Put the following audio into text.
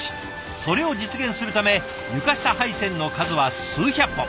それを実現するため床下配線の数は数百本。